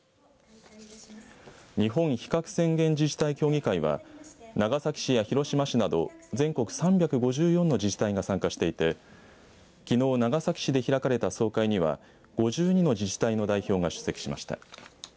日本非核宣言自治体協議会は長崎市や広島市など全国３５４の自治体が参加していてきのう長崎市で開かれた総会には５２の自治体の代表が出席しました。